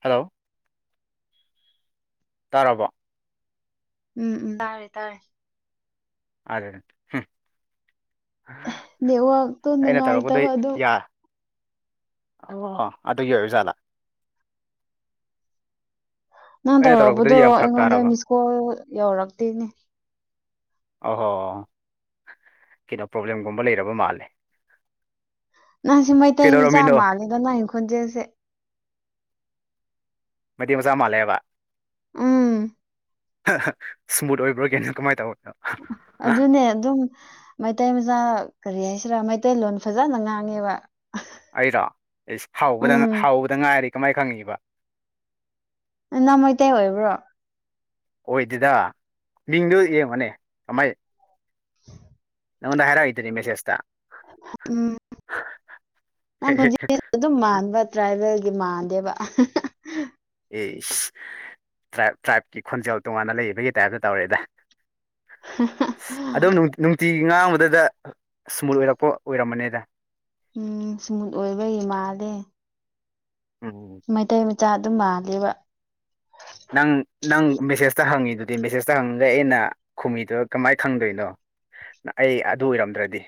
hello ꯇꯥꯔꯕꯣ ꯎꯝ ꯎꯝ ꯇꯥꯔꯦ ꯇꯥꯔꯦ ꯑꯗꯅ‌ꯦ ꯍꯨꯝ ꯅꯦꯠꯋꯥꯛꯇꯣ ꯑꯩꯅ ꯇꯧꯔꯛꯄꯗꯩ ꯅꯨꯡꯉꯥꯏꯇꯕ ꯑꯗꯨꯝ ꯌꯥ ꯑꯣ ꯑꯗꯨꯒꯤ ꯑ‌ꯣꯏꯕ ꯖꯥꯠꯂ ꯃꯟ ꯑꯩꯅ ꯇꯧꯔꯛꯄꯗꯗꯤ ꯇꯧꯔꯛꯕꯗꯣ ꯌꯥꯝ ꯐꯔꯛ ꯑꯩꯉꯣꯟꯗ ꯇꯥꯔꯕ ꯃꯤꯁꯀꯣꯜ ꯌꯧꯔꯛꯇꯦꯅꯦ ꯑꯥ ꯍꯣ ꯀ‌ꯦꯅꯣ ꯄ꯭ꯔꯣꯕ꯭ꯂꯦꯝꯒꯨꯝꯕ ꯂꯩꯔꯕ ꯃꯥꯜꯂꯦ ꯅꯪꯁꯦ ꯃꯩꯇꯩ ꯃꯆꯥ ꯀꯩꯗꯧꯔꯝꯃꯤꯅꯣ ꯃꯥꯜꯂꯦꯗ ꯅꯩꯏ ꯈꯣꯟꯖꯦꯜꯁꯦ ꯃꯩꯇꯩ ꯃꯆꯥꯥ ꯃꯥꯜꯂꯦꯕ ꯎꯝ ꯁ꯭ꯃꯨꯠ ꯑꯣꯏꯕ꯭ꯔꯣ ꯀꯩꯅꯣ ꯀꯃꯥꯏ ꯇꯧꯕꯅꯣ ꯑꯗꯨꯅꯦ ꯑꯗꯨꯝ ꯃꯩꯇꯩ ꯃꯆꯥ ꯀꯔꯤ ꯍꯥꯏꯁꯤꯔꯥ ꯃꯩꯇꯩꯂꯣꯟ ꯐꯖꯅ ꯉꯥꯡꯉꯦꯕ ꯑꯩꯔꯣ ꯏꯁ ꯍꯧꯕꯗ ꯉꯥ ꯎꯝ ꯍꯧꯕꯗ ꯉꯥꯏꯔꯤ ꯀꯃꯥꯏ ꯈꯪꯉꯤꯕ ꯅ ꯅ ꯃꯩꯇꯩ ꯑꯣꯏꯕ꯭ꯔꯣ ꯑꯣꯏꯗꯦꯗ ꯃꯤꯡꯗꯣ ꯌꯦꯡꯉ‌ꯣꯅ‌ꯦ ꯑꯃꯩ ꯅꯉ‌ꯣꯟꯗ ꯍꯥꯏꯔꯛꯏꯗꯨ ꯗꯤ ꯃꯦꯁꯦꯁ ꯇ ꯎꯝ ꯅꯪ ꯈ‌ꯣꯟꯖ‌ꯦꯜ ꯗꯨ ꯗꯨꯝ ꯃꯥꯟꯕ ꯇ꯭ꯔꯥꯏꯕꯦꯜꯒꯤ ꯃꯥꯟꯗꯦꯕ ꯑꯦ ꯏꯁ ꯇ꯭ꯔꯥꯏꯞ ꯇ꯭ꯔꯥꯏꯞꯀꯤ ꯈꯣꯟꯖꯦꯜ ꯇꯣꯉꯥꯟꯅ ꯂꯩꯕꯒꯤ ꯇꯥꯏꯞꯇ ꯇꯧꯔꯦꯗ [unintelligible] ꯑꯗꯨꯝ ꯅꯨꯡ ꯅꯨꯡꯇꯤꯒꯤ ꯉꯥꯡꯕꯗꯨꯗ ꯏ꯭ꯁꯃꯨꯠ ꯑꯣꯏꯔꯛꯄ ꯑꯣꯏꯔꯝꯃꯅꯦꯗ ꯎꯝ ꯏ꯭ꯁꯃꯨꯠ ꯑꯣꯏꯕꯩ ꯃꯥꯜꯂꯦ [unintelligible] ꯃꯩꯇꯩ ꯃꯆꯥ ꯑꯗꯨꯝ ꯃꯥꯜꯂꯤꯕ ꯅꯪ ꯅꯪ ꯃꯦꯁꯦꯖꯇ ꯍꯪꯉꯤꯗꯨꯗꯤ ꯃꯦꯁꯦꯖꯇ ꯍꯪꯉꯒ ꯑꯩꯅ ꯈꯨꯃꯤꯗꯨꯣ ꯀꯃꯥꯏꯅ ꯈꯪꯗꯣꯏꯅꯣ ꯑꯩ ꯑꯗꯨ ꯑꯣꯏꯔꯝꯗ꯭ꯔꯗꯤ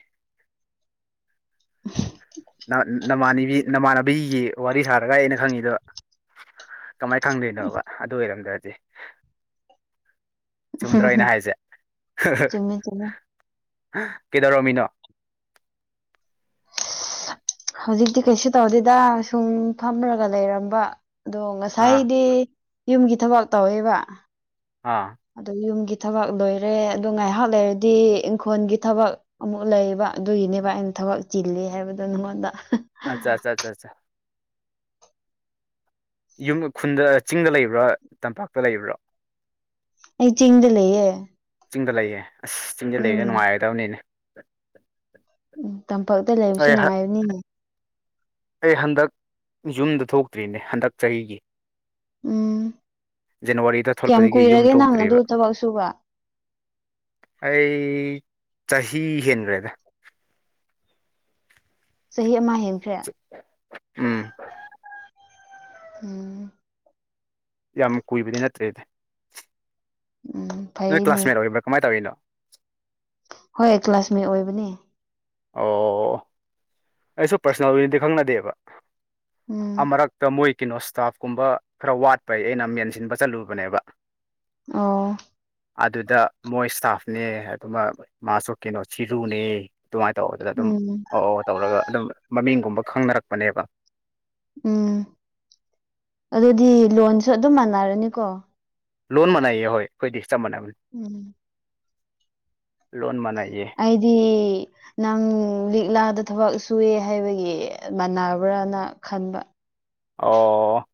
ꯅꯃꯥꯟꯕꯤ ꯅꯃꯥꯟꯅꯕꯤꯒꯤ ꯋꯥꯔꯤ ꯁꯥꯔꯒ ꯑꯩꯅ ꯈꯪꯉꯤꯗꯣ ꯀꯃꯥꯏꯅ ꯈꯪꯗꯣꯏꯅꯣꯕ ꯑꯗꯨ ꯑꯣꯏꯔꯝꯗ꯭ꯔꯗꯤ ꯆꯨꯝꯗ꯭ꯔꯣ ꯑꯩꯅ ꯍꯥꯏꯁꯦ ꯆꯨꯝꯃꯦ ꯆꯨꯝꯃꯦ ꯀꯩꯗꯧꯔꯝꯃꯤꯅꯣ ꯍꯧꯖꯤꯛꯇꯤ ꯀꯩꯁꯨ ꯇꯧꯗꯦꯗ ꯁꯨꯝ ꯐꯝꯂꯒ ꯂꯩꯔꯝꯕ ꯑꯗꯣ ꯑꯥ ꯉꯁꯥꯏꯗꯤ ꯌꯨꯝꯒꯤ ꯊꯕꯛ ꯇꯧꯋꯦꯕ ꯑꯥ ꯑꯗꯣ ꯌꯨꯝꯒꯤ ꯊꯕꯛ ꯂꯣꯏꯔꯦ ꯑꯗꯣ ꯉꯥꯏꯍꯥꯛ ꯂꯩꯔꯗꯤ ꯏꯪꯈꯣꯜꯒꯤ ꯊꯕꯛ ꯑꯃꯨꯛ ꯂꯩꯌꯦꯕ ꯑꯗꯨꯒꯤꯅꯦꯕ ꯑꯩꯅ ꯊꯕꯛ ꯆꯤꯜꯂꯤ ꯍꯥꯏꯕꯗꯣ ꯅꯉꯣꯟꯗ ꯑꯆꯥꯆꯥꯆꯥꯆꯥ ꯌꯨꯝ ꯈꯨꯟꯗ ꯆꯤꯡꯗ ꯂꯩꯕ꯭ꯔꯥ ꯇꯝꯄꯥꯛꯇ ꯂꯩꯕ꯭ꯔꯥ ꯑꯩ ꯆꯤꯡꯗ ꯂꯩꯌꯦ ꯆꯤꯡꯗ ꯂꯩꯌꯦ ꯑꯁ ꯆꯤꯡꯗ ꯂꯩꯒ ꯎꯝ ꯅꯨꯡꯉꯥꯏꯒꯗꯕꯅꯤꯅꯦ ꯎꯝ ꯇꯝꯄꯥꯛꯇ ꯂꯩꯕꯁꯨ ꯑꯩ ꯅꯨꯡꯉꯥꯏꯕꯅꯤꯅꯦ ꯑꯩ ꯍꯟꯗꯛ ꯌꯨꯝꯗ ꯊꯣꯛꯇ꯭ꯔꯤꯅꯦ ꯍꯟꯗꯛ ꯆꯍꯤꯒꯤ ꯎꯝ ꯖꯅꯋꯥꯔꯤꯗ ꯀꯌꯥꯝ ꯊꯣꯛꯂꯛꯄꯗꯒꯤ ꯌꯨꯝ ꯀꯨꯏꯔꯒꯦ ꯅꯪ ꯑꯗꯨ ꯊꯣꯛꯇ꯭ꯔꯤꯕ ꯊꯕꯛ ꯁꯨꯕ ꯑꯩ ꯆꯍꯤ ꯍꯦꯟꯈ꯭ꯔꯦꯗ ꯆꯍꯤ ꯑꯃ ꯍꯦꯟ ꯎꯝ ꯎꯝ ꯌꯥꯝ ꯀꯨꯏꯕꯗꯤ ꯅꯠꯇ꯭ꯔꯦꯗꯤ ꯎꯝ ꯅꯣꯏ ꯐꯩꯅꯦ ꯀ꯭ꯂꯥꯁꯃꯦꯠ ꯑꯣꯏꯕꯥ ꯀꯃꯥꯏ ꯇꯧꯔꯤꯅꯣ ꯍꯣꯏ ꯀ꯭ꯂꯥꯁꯃꯦꯠ ꯑꯣꯏꯕꯅꯦ ꯑꯣ ꯑꯩꯁꯨ ꯄꯥꯔꯁꯣꯅꯦꯜꯗꯤ ꯑꯣꯏꯅꯗꯤ ꯈꯪꯅꯗꯦꯕ ꯎꯝ ꯑꯃꯨꯔꯛ ꯃꯣꯏ ꯀꯩꯅꯣ ꯁ꯭ꯇꯥꯐ ꯀꯨꯝꯕ ꯈꯔ ꯋꯥꯠꯄꯩ ꯑꯩꯅ ꯃꯦꯟꯁꯤꯟꯕ ꯆꯠꯂꯨꯕꯅꯦꯕ ꯑꯣ ꯑꯗꯨꯗ ꯃꯣꯏ ꯏꯁꯇꯥꯐꯅꯦ ꯑꯗꯨꯃ ꯃꯥꯁꯨ ꯀꯩꯅꯣ ꯆꯤꯔꯨꯅꯦ ꯑꯗꯨꯃꯥꯏꯅ ꯇꯧꯕ ꯑꯗꯨꯗ ꯑꯗꯨꯝ ꯎꯝ ꯑ ꯑꯧ ꯇꯧꯔꯒ ꯑꯗꯨꯝ ꯃꯃꯤꯡꯒꯨꯝꯕ ꯈꯪꯅꯔꯛꯄꯅꯦꯕ ꯎꯝ ꯑꯗꯨꯗꯤ ꯂꯣꯟꯁꯨ ꯑꯗꯨꯝ ꯃꯥꯟꯅꯔꯅꯤꯀꯣ ꯂꯣꯟ ꯃꯥꯟꯅꯩꯌꯦ ꯍꯣꯏ ꯑꯩꯈꯣꯏꯗꯤ ꯆꯞ ꯃꯥꯟꯅꯕꯅꯤ ꯎꯝ ꯂꯣꯟ ꯃꯥꯟꯅꯩꯌꯦ ꯑꯩꯗꯤ ꯅꯪ ꯂꯤꯛꯂꯥꯗ ꯊꯕꯛ ꯁꯨꯏꯑꯦ ꯍꯥꯏꯕꯒꯤ ꯃꯥꯟꯅꯕ꯭ꯔꯥꯅ ꯈꯟꯕ ꯑꯣ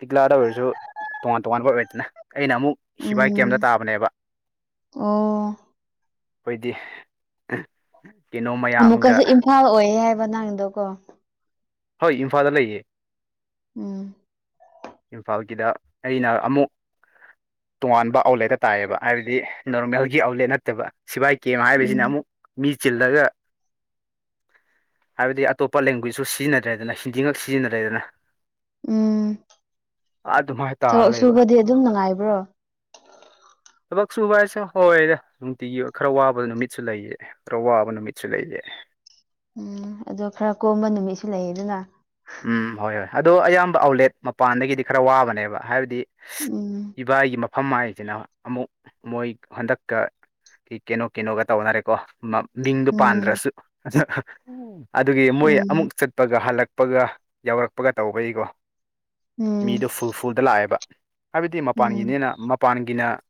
ꯂꯤꯛꯂꯥꯗ ꯑꯣꯏꯔꯁꯨ ꯇꯣꯉꯥꯟ ꯇꯣꯉꯥꯟꯕ ꯑꯣꯏꯑꯦꯗꯅ ꯑꯩꯅ ꯑꯃꯨꯛ ꯁꯤꯐꯏ ꯀꯦꯝꯗ ꯎꯝ ꯇꯥꯕꯅꯦꯕ ꯑꯣ ꯑꯩꯈꯣꯏꯗꯤ ꯀꯩꯅꯣ ꯃꯌꯥꯝꯒ ꯑꯃꯨꯛꯀꯁꯨ ꯏꯝꯐꯥꯜ ꯑꯣꯏꯌꯦ ꯍꯥꯏꯕ ꯅꯒꯤꯗꯣ ꯀꯣ ꯍꯣꯏ ꯏꯝꯐꯥꯜꯗ ꯂꯩꯌꯦ ꯎꯝ ꯏꯝꯐꯥꯜꯒꯤꯗ ꯑꯩꯅ ꯑꯃꯨꯛ ꯇꯣꯉꯥꯟꯕ ꯑꯥꯎꯠꯂꯦꯠꯇ ꯇꯥꯏꯌꯦꯕ ꯍꯥꯏꯕꯗꯤ ꯅꯣꯔꯃꯦꯜꯒꯤ ꯑꯥꯎꯠꯂꯦꯠ ꯅꯠꯇꯕ ꯁꯤꯚꯥꯏ ꯀꯦꯝ ꯎꯝ ꯍꯥꯏꯕꯁꯤꯅ ꯑꯃꯨꯛ ꯃꯤ ꯆꯤꯜꯂꯒ ꯍꯥꯏꯕꯗꯤ ꯑꯇꯣꯞꯄ ꯂꯦꯡꯒ꯭ꯋꯦꯖꯁꯨ ꯁꯤꯖꯤꯟꯅꯗ꯭ꯔꯦꯗꯅ ꯍꯤꯟꯗꯤ ꯉꯛ ꯁꯤꯖꯤꯟꯅꯔꯦꯗꯅ ꯎꯝ ꯑꯗꯨꯃꯥꯏꯅ ꯊꯕꯛ ꯇꯥꯔ ꯂꯩꯕ ꯁꯨꯕꯗꯤ ꯑꯗꯨꯝ ꯅꯨꯡꯉꯥꯏꯕ꯭ꯔꯣ ꯊꯕꯛ ꯁꯨꯕ ꯍꯥꯏꯁꯦ ꯍꯣꯏꯗ ꯅꯨꯡꯇꯤꯒꯤ ꯈꯔ ꯋꯥꯕ ꯅꯨꯃꯤꯠꯁꯨ ꯂꯩꯌꯦ ꯈꯔ ꯋꯥꯕ ꯅꯨꯃꯤꯠꯁꯨ ꯂꯩꯌꯦ ꯎꯝ ꯑꯗꯣ ꯈꯔ ꯀꯣꯝꯕ ꯅꯨꯃꯤꯠꯁꯨ ꯂꯩꯌꯦꯗꯅ ꯎꯝ ꯍꯣꯏ ꯍꯣꯏ ꯑꯗꯣ ꯑꯌꯥꯝꯕ ꯑꯥꯎꯠꯂꯦꯠ ꯃꯄꯥꯟꯗꯒꯤꯗꯤ ꯈꯔ ꯋꯥꯕꯅꯦꯕ ꯍꯥꯏꯕꯗꯤ ꯎꯝ ꯏꯚꯥꯏꯒꯤ ꯃ ꯐꯝ ꯍꯥꯏꯁꯤꯅ ꯑꯃꯨꯛ ꯃꯣꯏ ꯍꯟꯗꯛꯀ ꯀꯩꯅꯣ ꯀꯩꯅꯣꯒ ꯇꯧꯅꯔꯦꯀꯣ ꯃꯤꯡꯗꯣ ꯎꯝ ꯄꯥꯟꯗ꯭ꯔꯁꯨ ꯑꯗꯨꯒꯤ ꯃꯣꯏ ꯑꯃꯨꯛ ꯎꯝ ꯆꯠꯄꯒ ꯍꯜꯂꯛ ꯄꯒ ꯌꯥꯎꯔꯛꯄꯒ ꯇꯧꯕꯒꯤꯀꯣ ꯎꯝ ꯃꯤꯗꯣ ꯐꯨꯜ ꯐꯨꯜꯗ ꯂꯥꯛꯑꯦꯕ ꯍꯥꯏꯕꯗꯤ ꯎꯝ ꯃꯄꯥꯟꯒꯤꯅꯤꯅ ꯃꯄꯥꯟꯒꯤꯅ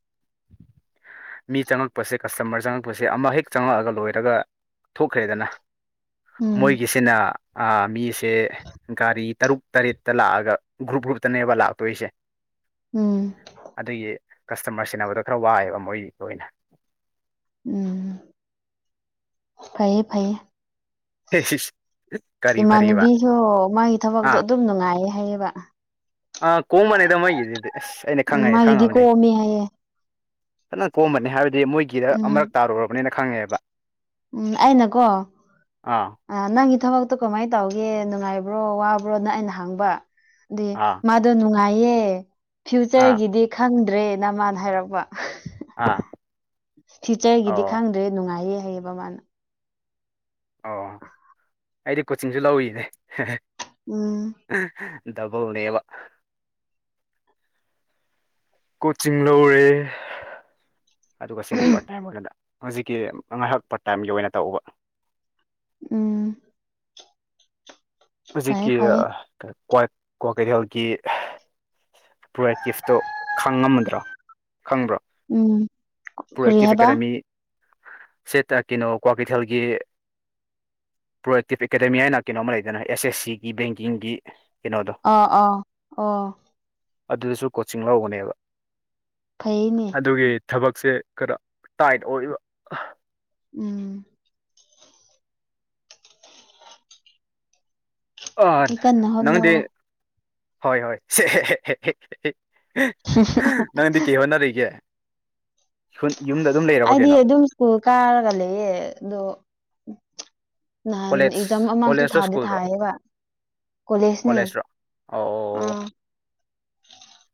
ꯃꯤ ꯆꯪꯉꯛꯄꯁꯦ ꯀꯁꯇꯃꯔ ꯆꯪꯉꯛꯄꯁꯦ ꯑꯃ ꯍꯦꯛ ꯆꯪꯉꯛꯑꯒ ꯂꯣꯏꯔꯒ ꯊꯣꯛꯈ꯭ꯔꯦꯗꯅ ꯎꯝ ꯃꯣꯏꯒꯤꯁꯤꯅ ꯃꯤꯁꯦ ꯒꯥꯔꯤ ꯇꯔꯨꯛ ꯇꯔꯦꯠꯇ ꯂꯥꯛꯑꯒ ꯒ꯭ꯔꯨꯞ ꯒ꯭ꯔꯨꯞꯇꯅꯦꯕ ꯂꯥꯛꯇꯣꯏꯁꯦ ꯎꯝ ꯑꯗꯨꯒꯤ ꯀꯁꯇꯃꯔ ꯁꯤꯟꯅꯕꯗꯣ ꯈꯔ ꯋꯥꯏꯑꯦꯕ ꯃꯣꯏꯒꯤꯗ ꯑꯣꯏꯅ ꯎꯝ ꯐꯩꯌꯦ ꯐꯩꯌꯦ ꯍꯦꯁꯤꯁ ꯏꯃꯥꯟꯅꯕꯤꯁꯨ ꯃꯥꯒꯤ ꯊꯕꯛꯇꯣ ꯑꯥ ꯑꯗꯨꯝ ꯅꯨꯡꯉꯥꯏꯌꯦ ꯍꯥꯏꯌꯦꯕ ꯑꯥ ꯀꯣꯝꯕꯅꯤꯗꯥ ꯃꯣꯏꯒꯤꯗꯨꯗꯤ ꯑꯁ ꯑꯩꯅ ꯎꯝ ꯈꯪꯉꯛꯑꯦ ꯃꯥꯒꯤꯗꯤ ꯈꯪꯉꯕꯅꯦ ꯀꯣꯝꯃꯤ ꯍꯥꯏꯌꯦ ꯐꯅ ꯀꯣꯝꯕꯅꯤ ꯍꯥꯏꯕꯗꯤ ꯃꯣꯏꯒꯤꯗ ꯎꯝ ꯑꯃꯨꯔꯛ ꯇꯥꯔꯨꯔꯕꯅꯤꯅ ꯈꯪꯉꯦꯕ ꯎꯝ ꯑꯩꯅꯀꯣ ꯑꯥ ꯅꯪꯒꯤ ꯊꯕꯛꯇꯣ ꯀꯃꯥꯏꯅ ꯇꯧꯒꯦ ꯅꯨꯡꯉꯥꯏꯕ꯭ꯔꯣ ꯋꯥꯕ꯭ꯔꯣꯅ ꯑꯩꯅ ꯍꯥꯡꯕ ꯑꯗꯨ ꯑꯥ ꯃꯥꯗꯣ ꯅꯨꯡꯉꯥꯏꯌꯦ ꯑꯥ ꯐ꯭ꯌꯨꯆꯔꯒꯤꯗꯤ ꯈꯪꯗ꯭ꯔꯦꯅ ꯃꯥꯅ ꯍꯥꯏꯔꯛꯄ ꯑꯥ ꯐ꯭ꯌꯨꯆꯔꯒꯤꯗꯤ ꯑꯣ ꯈꯪꯗ꯭ꯔꯦ ꯅꯨꯡꯉꯥꯏꯌꯦ ꯍꯩꯌꯦꯕ ꯃꯥꯅ ꯑꯣ ꯑꯩꯗꯤ ꯀꯣꯆꯤꯡꯁꯨ ꯂꯧꯏꯔꯤꯅꯦ ꯎꯝ ꯗꯕꯧꯅꯦꯕ ꯀꯣꯆꯤꯡ ꯂꯧꯔꯦ ꯑꯗꯨꯒ ꯁꯤꯅ ꯄꯥꯔꯠ ꯇꯥꯏꯝ ꯑꯣꯏꯔꯒ ꯍꯧꯖꯤꯛꯀꯤ ꯉꯥꯏꯍꯥꯛ ꯄꯇꯥꯏꯝꯒꯤ ꯑꯣꯏꯅ ꯇꯧꯕ ꯎꯝ ꯐꯩꯌꯦ ꯍꯧꯖꯤꯛꯀꯤ ꯐꯩꯌꯦ ꯀꯋꯥꯀꯩꯊꯦꯜꯒꯤ ꯄ꯭ꯔꯣꯑꯦꯛꯇꯤꯐꯇꯣ ꯈꯪꯉꯝꯃꯗ꯭ꯔꯣ ꯈꯪꯕ꯭ꯔꯣ ꯎꯝ ꯀꯔꯤ ꯄ꯭ꯔꯣꯑꯦꯛꯇꯤꯞ ꯍꯥꯏꯕ ꯑꯦꯀꯥꯗꯃꯤ ꯁꯦꯠ ꯀꯩꯅꯣ ꯀ꯭ꯋꯥꯀꯩꯊꯦꯜꯒꯤ ꯄ꯭ꯔꯣꯑꯦꯛꯇꯤꯞ ꯑꯦꯀꯥꯗꯃꯤ ꯍꯥꯏꯅ ꯀꯩꯅꯣꯝꯃ ꯂꯩꯗꯅ ꯑꯦꯁ ꯑꯦꯁ ꯁꯤꯒꯤ ꯕꯦꯡꯀꯤꯡꯒꯤ ꯀꯩꯅꯣꯗꯣ ꯑ ꯑꯥ ꯑꯣ ꯑꯗꯨꯗꯁꯨ ꯀꯣꯆꯤꯡ ꯂꯧꯕꯅꯦꯕ ꯐꯩꯌꯦꯅꯦ ꯑꯗꯨꯒꯤ ꯊꯕꯛꯁꯦ ꯈꯔ ꯇꯥꯏꯠ ꯑꯣꯏꯕ ꯎꯝ ꯑ ꯑꯩ ꯀꯟꯅ ꯅꯪꯗꯤ ꯍꯣꯠꯅꯧ ꯍꯣꯏ ꯍꯣꯏ ꯅꯪꯗꯤ ꯀꯩ ꯍꯣꯠꯅꯔꯤꯒꯦ ꯌꯨꯝꯗ ꯑꯗꯨꯝ ꯂꯩꯔꯕ ꯑꯩꯗꯤ ꯀꯩꯅꯣ ꯑꯗꯨꯝ ꯁ꯭ꯀꯨꯜ ꯀꯥꯔꯒ ꯂꯩꯌꯦ ꯑꯗꯣ ꯅꯍꯥꯟ ꯀꯣꯂꯦꯖ ꯑꯦꯛꯖꯥꯝ ꯑꯃꯁꯨ ꯀꯣꯂꯦꯖꯔꯣ ꯊꯥꯗꯤ ꯁ꯭ꯀꯨꯜꯔꯣ ꯊꯥꯌꯦꯕ ꯀꯣꯂꯦꯖꯅꯦ ꯀꯣꯂꯦꯖꯔꯣ ꯑꯣ ꯎꯝ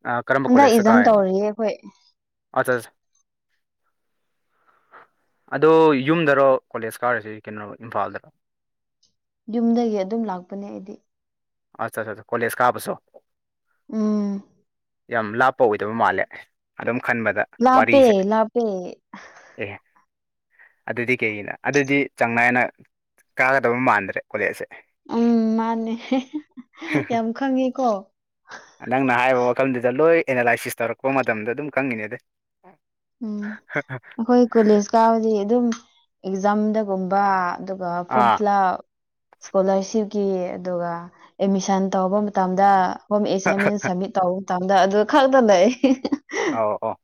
ꯑꯥ ꯍꯟꯗꯛ ꯏꯖꯥꯝ ꯇꯧꯔꯤꯌꯦ ꯑꯩꯈꯣꯏ ꯑꯗꯖ ꯑꯗꯣ ꯌꯨꯝꯗꯔꯣ ꯀꯣꯂꯦꯖ ꯀꯥꯔꯁꯤ ꯀꯩꯅꯣ ꯏꯝꯐꯥꯜꯗꯔꯣ ꯌꯨꯝꯗꯒꯤ ꯑꯗꯨꯝ ꯂꯥꯛꯄꯅꯦ ꯑꯩꯗꯤ ꯑꯆꯥ ꯑꯆꯥ ꯀꯣꯂꯦꯁ ꯀꯥꯕꯁꯨ ꯎꯝ ꯌꯥꯝ ꯂꯥꯞꯄ ꯑꯣꯏꯗꯕ ꯃꯥꯜꯂꯦ ꯑꯗꯨꯝ ꯈꯟꯕꯗ ꯂꯥꯄꯦ ꯋꯥꯔꯤꯁꯦ ꯂꯥꯄꯦ ꯑꯦ ꯑꯗꯨꯗꯤ ꯀꯩꯒꯤꯅ ꯑꯗꯨꯗꯤ ꯆꯥꯡ ꯅꯥꯏꯅ ꯀꯥꯒꯗꯕ ꯃꯥꯟꯗ꯭ꯔꯦ ꯀꯣꯂꯦꯖꯁꯦ ꯎꯝ ꯃꯥꯅꯦ ꯌꯥꯝ ꯈꯪꯉꯦꯀꯣ ꯅꯪꯅ ꯍꯥꯏꯔꯤꯕ ꯋꯥꯈꯜꯗꯨꯗ ꯂꯣꯏ ꯑꯦꯅꯥꯂꯥꯏꯁꯤꯁ ꯇꯧꯔꯛꯄ ꯃꯇꯝꯗ ꯑꯗꯨꯝ ꯈꯪꯉꯤꯅꯦ ꯑꯗ ꯎꯝ ꯑꯩꯈꯣꯏ ꯀꯣꯂꯦꯖꯀꯥꯕꯗꯤ ꯑꯗꯨꯝ ꯑꯦꯛꯖꯥꯝꯗꯒꯨꯝꯕ ꯑꯗꯨꯒ ꯑꯥ ꯐꯨꯝꯐꯤꯂꯥꯞ ꯏꯁꯀꯣꯂꯥꯔꯁꯤꯞꯀꯤ ꯑꯗꯨꯒ ꯑꯦꯠꯃꯤꯁꯟ ꯇꯧꯕ ꯃꯇꯝꯗ ꯍꯣꯝ ꯑꯦꯁꯥꯏꯟꯃꯦꯟ ꯁꯕꯃꯤꯠ ꯇꯧꯕ ꯃꯇꯝꯗ ꯑꯗꯨ ꯈꯛꯇ ꯂꯩ ꯑꯣ ꯑꯣ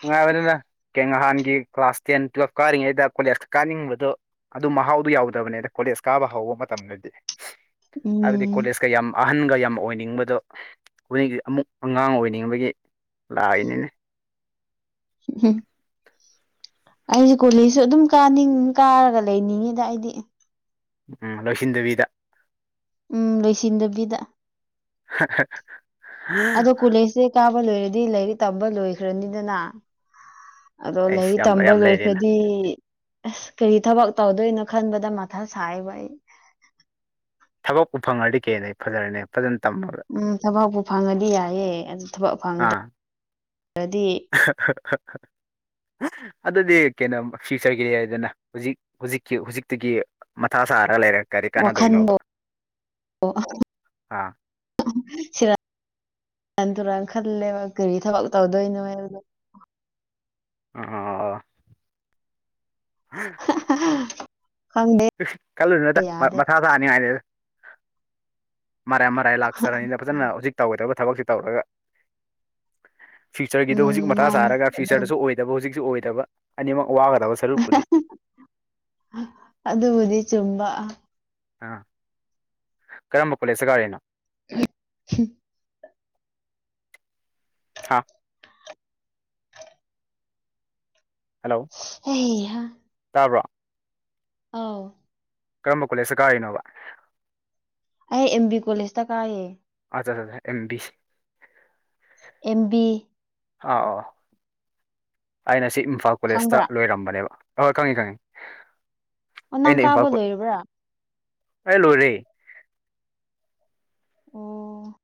ꯅꯨꯡꯉꯥꯏꯕꯅꯤꯅ ꯀꯩꯅꯣ ꯅꯍꯥꯟꯒꯤ ꯀ꯭ꯂꯥꯁ ꯇꯦꯟ ꯇꯨꯋꯦꯜꯐ ꯀꯥꯔꯤꯉꯩꯗ ꯀꯣꯂꯦꯖꯇ ꯀꯥꯅꯤꯡꯕꯗꯨ ꯑꯗꯨ ꯃꯍꯥꯎꯗꯨ ꯌꯥꯎꯗꯕꯅꯦꯗ ꯀꯣꯂꯦꯖ ꯀꯥꯕ ꯍꯧꯕ ꯃꯇꯝꯗꯗꯤ ꯍꯥꯏꯕꯗꯤ ꯎꯝ ꯀꯣꯂꯦꯖ ꯀꯌꯥꯝ ꯑꯍꯟꯒ ꯌꯥꯝ ꯑꯣꯏꯅꯤꯡꯕꯗꯣ ꯍꯨꯏꯒꯤ ꯑꯃꯨꯛ ꯑꯉꯥꯡ ꯑꯣꯏꯅꯤꯡꯕꯒꯤ ꯂꯥꯛꯏꯅꯤꯅꯦ ꯎꯝ ꯑꯩꯁꯦ ꯀꯨꯂꯤꯁꯨ ꯑꯗꯨꯝ ꯀꯥꯅꯤꯡ ꯀꯥꯔꯒ ꯂꯩꯅꯤꯡꯉꯤꯗ ꯑꯩꯗꯤ ꯎꯝ ꯂꯣꯏꯁꯤꯟꯗꯕꯤꯗ ꯎꯝ ꯂꯣꯏꯁꯤꯟꯗꯕꯤꯗ [unintelligible] ꯑꯗꯣ ꯀꯨꯂꯩꯁꯁꯦ ꯀꯥꯕ ꯂꯣꯏꯔꯗꯤ ꯂꯥꯏꯔꯤꯛ ꯇꯝꯕ ꯂꯣꯏꯈ꯭ꯔꯅꯤꯗꯅ ꯑꯗꯣ ꯑꯩꯁ ꯂꯥꯏꯔꯤꯛ ꯌꯥꯝ ꯇꯝꯕ ꯌꯥꯝ ꯂꯩꯔꯦꯅ ꯂꯣꯏꯈ꯭ꯔꯗꯤ ꯑꯁ ꯀꯔꯤ ꯊꯕꯛ ꯇꯧꯗꯣꯏꯅꯣ ꯈꯟꯕꯗ ꯃꯊꯥ ꯁꯥꯏꯌꯦꯕ ꯑꯩ ꯊꯕꯛꯄꯨ ꯐꯪꯉꯔꯗꯤ ꯀꯦꯅ ꯑꯩ ꯐꯖꯔꯦꯅꯦ ꯐꯖꯅ ꯇꯝꯃꯒ ꯎꯝ ꯊꯕꯛꯄꯨ ꯐꯪꯉꯗꯤ ꯌꯥꯏꯌꯦ ꯑꯗꯨ ꯊꯕꯛ ꯑꯥ ꯐꯪꯗ꯭ꯔꯗꯤ [unintelligible] ꯑꯗꯨꯗꯤ ꯀꯩꯅꯣ ꯐ꯭ꯌꯨꯆꯔꯒꯤ ꯍꯥꯏꯗꯅ ꯍꯧꯖꯤꯛ ꯍꯧꯖꯤꯛꯀꯤ ꯍꯧꯖꯤꯛꯇꯒꯤ ꯃꯊꯥ ꯁꯥꯔ ꯂꯩꯔꯥ ꯀꯔꯤ ꯀꯥꯟꯅꯗꯣꯏꯅꯣꯕ ꯋꯥꯈꯟꯗꯣ ꯑꯥ ꯁꯤꯔꯥꯟ ꯇꯨꯔꯥꯟ ꯈꯜꯂꯦꯕ ꯀꯔꯤ ꯊꯕꯛ ꯇꯧꯗꯣꯏꯅꯣ ꯍꯥꯏꯕꯁꯦ ꯑ ꯑ ꯑ ꯑ ꯍꯪꯗꯦ ꯏ ꯈꯜꯂꯨꯗ ꯃꯊꯥ ꯁꯥꯅꯤꯉꯥꯏꯅꯤꯗ ꯃꯔꯥꯏ ꯃꯔꯥꯏ ꯂꯥꯛꯆꯔꯅꯤꯅ ꯐꯖꯅ ꯍꯧꯖꯤꯛ ꯇꯧꯒꯣꯏꯗꯕ ꯊꯕꯛꯁꯤ ꯇꯧꯔꯒ ꯐ꯭ꯌꯨꯆꯔꯒꯤꯗꯣ ꯍꯧꯖꯤꯛ ꯎꯝ ꯃꯊꯥ ꯃꯥꯅꯤ ꯁꯥꯔꯒ ꯑꯗꯨ ꯐ꯭ꯌꯨꯆꯔꯗꯁꯨ ꯑꯣꯏꯗꯕ ꯍꯧꯖꯤꯛꯁꯨ ꯑꯣꯏꯗꯕ ꯑꯅꯤꯃꯛ ꯋꯥꯒꯗꯕ ꯁꯔꯨꯛꯄꯨꯗꯤ ꯑꯗꯨꯕꯨꯗꯤ ꯆꯨꯝꯕ ꯑꯥ ꯀꯔꯝꯕ ꯀꯣꯂꯦꯖꯇ ꯀꯥꯔꯤꯅꯣ [unintelligible] ꯍꯥ ꯍꯜꯂꯣ ꯍꯩꯍꯥ ꯇꯥꯕ꯭ꯔꯣ ꯑꯥꯎ ꯀꯔꯝꯕ ꯀꯣꯂꯦꯁꯇ ꯀꯥꯔꯤꯅꯣꯕ ꯑꯩ ꯑꯦꯝ ꯕꯤ ꯀꯣꯂꯦꯖꯇ ꯀꯥꯏꯌꯦ ꯑꯆꯥ ꯆꯆꯥ ꯑꯦꯝꯕꯤ ꯑꯦꯝ ꯕꯤ ꯑꯥ ꯑ ꯑꯣ ꯑꯩꯅ ꯑꯁꯤ ꯏꯝꯐꯥꯜ ꯀꯣꯂꯦꯖꯇ ꯈꯪꯕ꯭ꯔꯥ ꯂꯣꯏꯔꯝꯕꯅꯦꯕ ꯍꯣꯏ ꯈꯪꯉꯤ ꯈꯪꯉꯤ ꯑꯣ ꯅꯪ ꯑꯩꯅ ꯏꯝꯐꯥꯜ ꯀꯥꯕ ꯂꯣꯏꯔꯕ꯭ꯔꯥ ꯑꯩ ꯂꯣꯏꯔꯦ ꯑꯣ